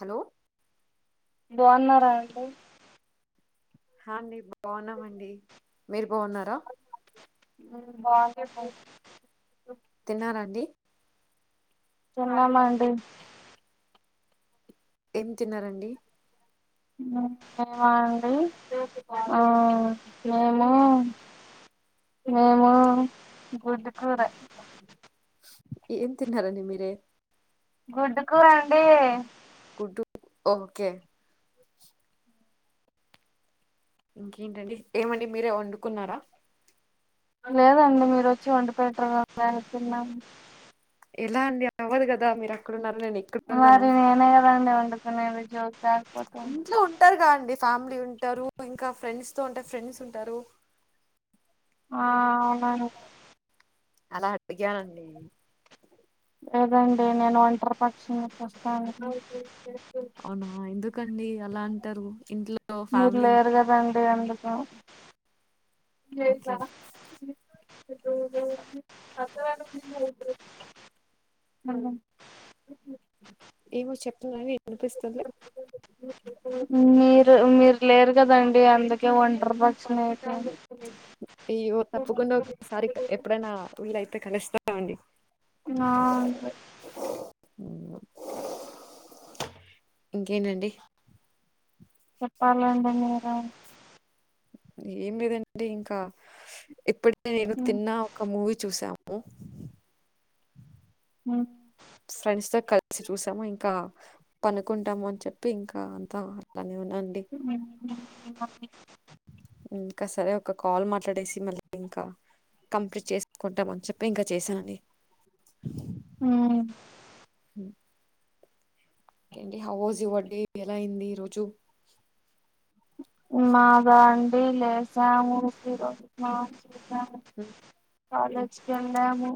Hello బాగున్నారా అండి హా ఆండి బాగున్నామండి మీరు బాగున్నారా మేం బాలేము తిన్నారా అండి తిన్నామండి ఏం తిన్నారండి మేమా అండి ఆ మేము మేము గుడ్డు కూర ఏం తిన్నారండి మీరే గుడ్డు కూర అండీ గుడ్డు ఓకే ఇంకేంటండి ఏమండి మీరే వండుకున్నారా లేదండి మీరు వచ్చి వండి పెట్టరా మేను తిన్నాము ఎలా అండి అది అవ్వదు కదా మీరు అక్కడన్నారు మరి నేనే కదండి వండుకునేది జోక్ కాకపోతే ఇంట్లో ఉంటారు గా అం డి ఫ్యామిలీ ఉంటారు ఇంకా ఫ్రెండ్స్ తో ఉంటే ఫ్రెండ్స్ ఉంటారు ఆ అవునను అలా అడిగానండి లేదండి నేను ఒంటరి పక్షిని ప్రస్తుతానికి అవునా ఎందుకండి అలా అంటారు ఇంట్లో మీరు ఫ్యామిలీ ఉం- లేరు కదండి అందుకు ఓకే [inaudible] అహా నాది వినిపిస్తుంది మీరు మీరు లేరు కదండి అందుకే ఒంటరి పక్షిని అయిపోయాను అయ్యో తప్పకుండా ఒసారి ఎప్పుడైనా వీళ్ళయితే కలుస్తా అండి ఆ ఇంకేంటండి చెప్పాలాండి మీరే ఏం లేదండి ఇంకా ఇప్పటికి నేను తిన్నా ఒక మూవీ చూసాము అ ఫ్రెండ్స్ తో కలిసి చూసాము ఇంకా పనుకుంటాము అని చెప్పి ఇంకా అంతా అట్లానే ఉ అ ఇంకా సరే ఒక కాల్ మాట్లాడేసి మళ్ళీ ఇంకా కంప్లీట్ చేసుకుంటామని చెప్పి ఇంకా చేశానండి ఉం హ ఇంకేంటి హౌ వాస్ యువర్ డే ఎలా అయింది ఈ రోజు మక అండీ లేసాము హ్మ్. హ్మ్. కాలేజీకి వెళ్ళాము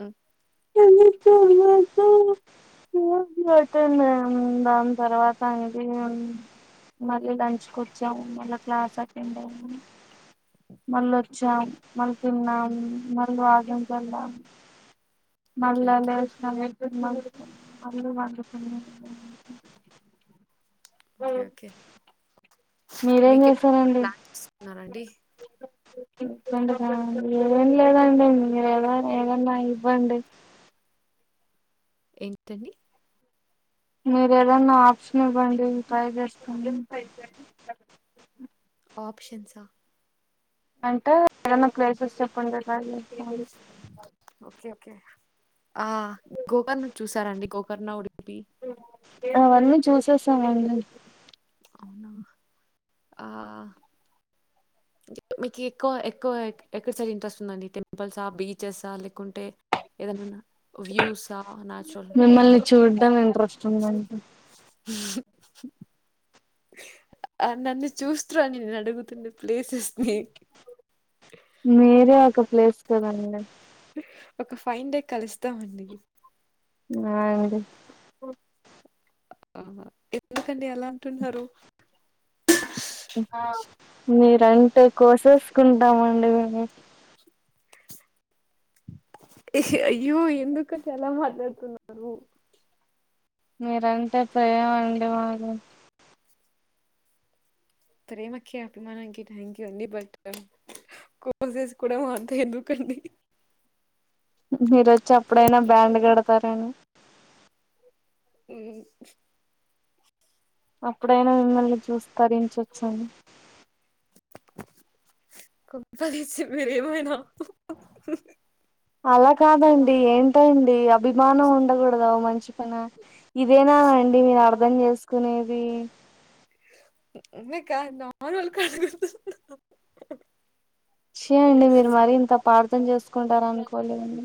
హ్మ్. [inaudible] బట్టడి దాని తర్వాత అది మళ్ళీ లంచ్కొచ్చాము మళ్ళా క్లాస్ అటెండ్ అయ్యాము మళ్ళీ వచ్చాం మళ్ళీ తిన్నాం మళ్ళీ వాకింగ్ వెళ్ళాం మళ్ళ ఓకే. ఓకే. లెసము మళ్ళీ పడుకునం ఓకే ఓకే మీరేం వీకెండ్ చేస్తారండి ప్లాన్ చేస్తున్నారాండి ఏం లేదండి మీరు ఏద ఏదన్నా ఇవ్వండి ఏంటండి మీరు ఏదన్నా ఆప్షన్ ఇవ్వండి టై చేస్తాడి ఆప్షన్సా అంటే ఏదన్నా ప్లేసెస్ చెప్పండి కదా ఓకే ఓకే ఆ గోకర్ణ చూసారండి గోకర్ణ ఉడిపి చూడమండి అవునా ఆ మీకు ఎక్కువ ఎక్కువ ఎక్కడి సైడ్ ఇంట్రెస్ట్ ఉందండి టెంపుల్సా బీచెసా లేకుంటే ఏదన్నా వ్యూసా? న్యాచురల్ ఓన్ మిమ్మల్ని చూడ్డం ఇంట్రెస్ట్ ఉందండి నన్న చూస్తన్నా అని నేను అడుగుతుండ ప్లేసెస్ని మీరే ఒక ప్లేస్ కదండి ఒక ఫైన్ డే కలుస్తామండి ఓ ఆ ఎందుకండి అలా అంటున్నారు మీరంటే కోసేసుకుంటామండి మేము అయ్యో ఎందుకండి అలా మాట్లాడుతున్నారు మీరంటే ప్రేమ అండి మాకు ప్రేమకి అభిమానానికి థ్యాంక్ యూ అండి బట్ కోర్సెస్ కూడా మారుతాయి ఎందుకు అండి మీరు వచ్చి అప్పుడైనా బ్యాండ్ కడతారని ఊ హూ అప్పుడైనా మిమ్మల్ని చూసి తరించొచ్చు అని కొంపతీసి మీరు ఏమైనా అలా కాదండి ఏంటండీ అభిమానం ఉండకూడదా ఓ మనిషి పైన ఇదేనా అండి మీరు అర్ధం చేసుకునేది ఉ నే కాదు నార్మల్ గా అడుగుతున్నా హుహు చి అండి మీరు మరీ ఇంత అపార్థం చేసుకుంటారని అనుకోలేదండి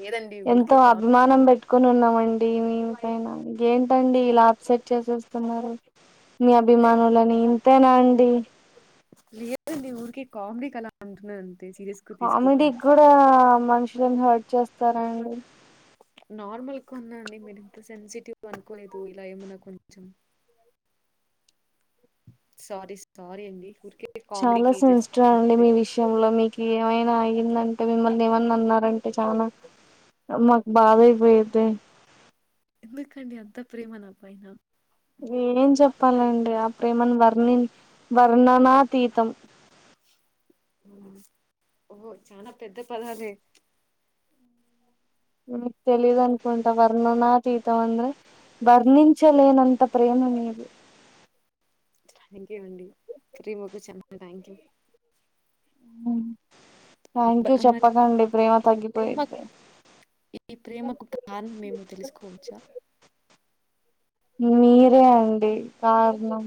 లేదండి ఎంతో ఊరికే కాల్ అభిమానం పెట్టుకొని ఉన్నాం ఆన్ డి మీన్ పైన గేన్ టండీ ఇలా అప్సెట్ చేసేస్తున్నారు మీ అభిమానులనీ ఇంతేనా అండి లేదండి ఊరికే కామెడీకి అలా అంటున్నా ఆన్ కామెడీ కూడా ఆ మనుషులను హర్ట్ చేస్తారా అండి నార్మల్ కొన్న అండి మీరు ఇంత సెన్సిటివ్ అనుకోలేదు ఇలా ఏమన్నా కొంచెం సారీ సారీ అండి ఊరికే చాలా కామెడీకి జస్ట్ సెన్సిటివ్ అండి అంతే. మీ విషయంలో మీకు ఏమైనా అయ్యిందన్ టే మిమ్మల్ని ఏమన్నా అన్నారంటే చాలా మాకు బాధ అయిపోయింది ఎందుకండీ అంత ప్రేమ నాపైన నేనేం చెప్పాలండి ఆ ప్రేమను వర్ణి వర్ణనాతీతం ఓ చనా పెద్ద పదదే మీకు తెలీదు అన్కుంటా వర్ణనాతీతం అంద్ర వర్ణించలేనంత ప్రేమ అనేది థ్యాంక్ యూ అండి శ్రీముఖి చానా థ్యాంక్ థ్యాంక్ బ యూ మరి చెప్పకండి ప్రే ప్రేమ కు ఈ ప్రేమకు కారణం ఏమో తెలుసుకోవచ్చా మీరే అండి కారణం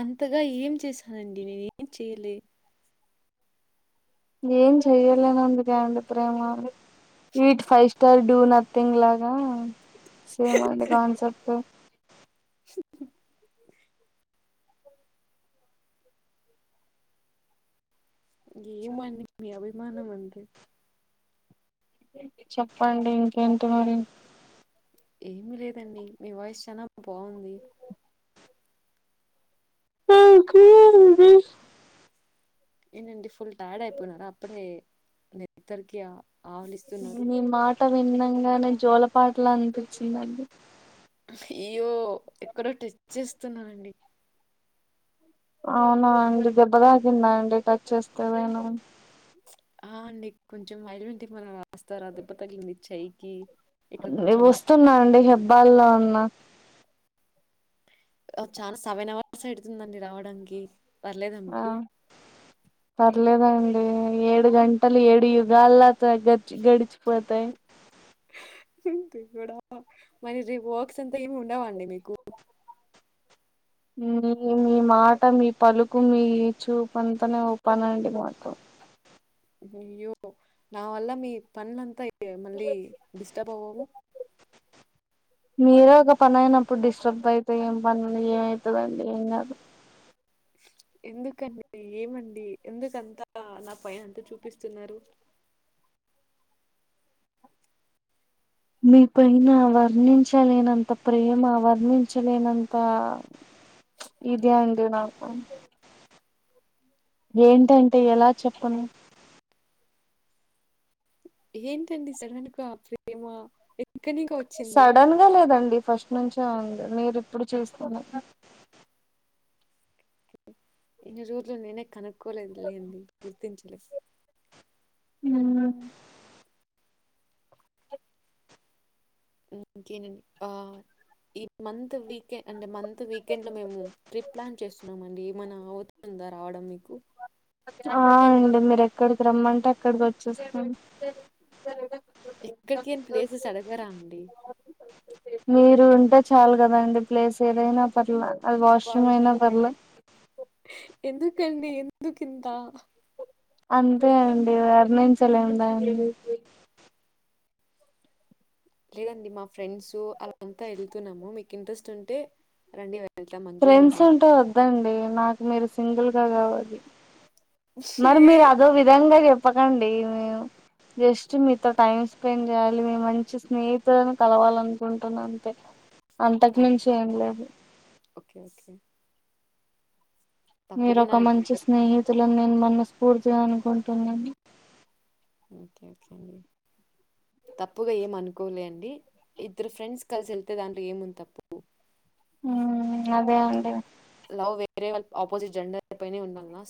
అంతగా ఏం చేశానండి నేనేం చేయలే ఏం చెయ్యలేనందుకే అండి ప్రేమ it five star do nothing లాగా సేమ్ అండి కాన్సెప్ట్ ఏ మన్ని మీ అభిమానం అండి చెప్పండి ఇంకెంటి మరి ఏమి లేదండి మీ వాయిస్ చానా బాగుంది ఏనండి ఫుల్ టైర్డ్ అయిపోయినారా అప్పుడే నిద్రికీ ఆ ఆవలిస్తున్నారు మీ మాట విన్న గానే జోలపాటలా అనిపించిందండి అయ్యో ఎక్కడో టచ్ చేస్తున్నండి అవునా అండి దెబ్బ తాగిందా అండి టచ్ చేస్తే నేను ఆ అండి కొంచెం మైల్ే మనం రాస్తారా దెబ్బ తగిలింది చేయికి నేను వస్తున్నా అండి హెబ్బాల్లో ఉన్న చానా సెవెన్ అవర్స్ అడుతుందండి రావడానికి పర్లేదా మీకు లేదండి ఏడు గంటలు ఏడు యుగాల్లో చ గ గడిచిపోతాయి దేవుడా మరి రేపు వర్క్స్ అంతా ఏమి ఉండవండి మీకు మీ మీ మాట మీ పలుకు మీ చూపు అంతానే ఒపానండి మాకు అయ్యో నా వల్ల మీ పన్నలంతా మళ్ళీ డిస్టర్బ్ అవావు మీరే ఒక పని అయినప్పుడు అయితే ఏం పని ఏమవుతుందండి ఏం కాదు ఎందుకండి ఏమండి ఎందుకంతా నా పై అంతా చూపిస్తున్నారు.. మీ పైన వర్ణించలేనంత ప్రేమ వర్ణించలేనంత ఆ ఇదే అండి నాకు ఏంటంటే ఎలా చెప్పను ఏంటండి సడన్గా ఆ ప్రేమ ఎక్కడి నుంకో వచ్చింది? సడన్ గా లేదండి ఫస్ట్ ఎప్పటినుంచో ఉంది మీరు ఇ ప్పుడు చూస్తున్నారు ఇన్ని రోజలు నేనే కనుక్కోలేదు లేండి గుర్తించలేదు. ఇకేనండి ఆ ఈ మంత్ వీకెం అంటే మంత్ వీకెండ్ లో మేము ట్రిప్ ప్లాన్ చేస్తున్నామ అండి ఎమన అవత అందా రావడం మీకు. ఆ అండి మీరు ఎక్కడికి రమ్మంటే అక్కడికి వచ్చేస్తాను. ఎక్కడికి ఏ ప్లేసెస్ అడగరా అండి. నువ్వు ఉంటే చాలు కదా అండి ప్లేస్ ఏదైనా పర్లే అది అబ్బా! వాష్రూమ్ అయినా పర్లే ఎందుకండి ఎందు కి ఇంత అంతే అండి వర్ణంచలేము దాని లేదండి మా ఫ్రెండ్స్ అలా అంతా వెళ్తున్నాము మీకు ఇంట్రెస్ట్ ఉంటే రండి వె ఫ్రెండ్స్ అంటే వద్దండి నాకు మీరు సింగిల్ గా కావాలి. ఛీ! మరి మీరు అదో విధంగా చెప్పకండి మీ జస్ట్ మీతో టైం స్పెండ్ చేయాలి మేము మంచి స్నేహితులను కలవాలి అనుకుంటున్నా అంతే అంతకు ఆ! మించి ఏం లేదు ఓకే. ఓకే. మీరు ఒక తప్పకుండా అండి. మంచి స్నేహితులు నేను మనస్ఫూర్తిగా అనుకుంటున్నాను. ఓకే ఓకే అండి తప్పుగా ఏమ్ అనుకోలే అండి. ఇద్దరు ఫ్రెండ్స్ కలిసి వెళ్తే దాంట్లో ఏముంది తప్పు ఉ అదే అండి లవ్ వేరే వా ఆపోజిట్ జెండర్ పైనే ఉంటుందా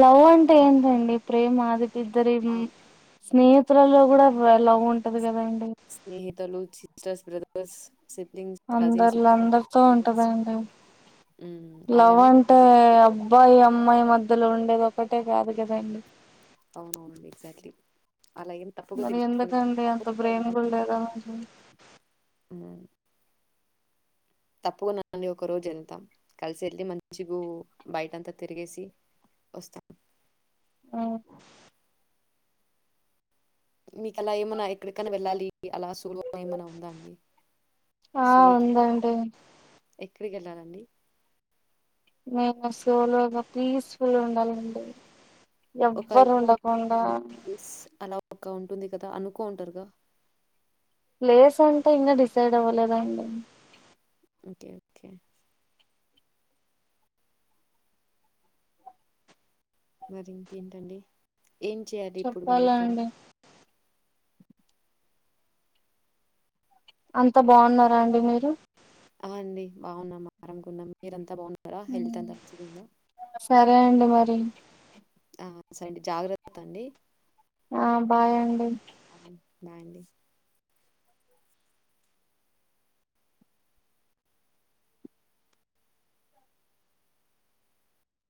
లవ్ అంటే ఏంటండి ప్రేమ అదిటిద్దరి ఆహ్, స్నేహితు పత్రలో కూడా లవ్ ఉంటది కదాండి స్నేహితులు, సిస్టర్స్, బ్రదర్స్. సిబ్లింగ్స్, కజిన్స్ అందరిలో అందరితో ఉంటదండి. హ్మ్. లవ్ అలానే అంటే అబ్బాయి అమ్మాయి మధ్యలో ఉం అది ఒకటే కాదు కదండి. అవునవును ఎగ్జాక్ట్లీ మరి ఎందుకండి అంత ప్రేమ కూడా లేదా ఉమ్ తప్పుకున్నాన్ని ఒక రోజు వెళ్తా కలిసి వెళ్ళి మంచిగ బయటంతా తిరిగేసి వస్త ఆ మీకు అలా ఏమన్నా ఎక్కడికనా వెళ్ళాలి అలా సోలో ఏమన్నా ఉందా అండి. ఆ ఉందండి. ఎక్కడికి వెళ్ళాలండి. నేను సోలోగా పీస్ఫుల్ ఉండాలండి. [unintelligible] ఎవ్వరు ఒక్క ఉండకుండా ఉంటుంది కదా అనుకో ఉంటారుగా ప్లేస్ అంటే ఇంకా డిసైడ్ అవ్వలేదాండి. ఓకే ఓకే మరి ఇంకేంటండి ఏం చేయాలి ఇప్పుడు మళ్ళీ చెప్పాలండి అంతా బాగున్నారా అండి మీరు అవు అండి బాగున్నా [unintelligible] మీరంతా కదా ఉన్నారా హెల్త్య్ సరే అండి మరి [unintelligible] సండి జాగ్రత్త అండి ఆ బాయండి ఆ! బాయ్ అండి